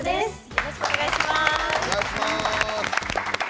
よろしくお願いします。